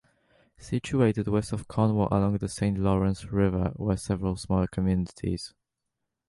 Situated west of Cornwall along the Saint Lawrence River were several smaller communities.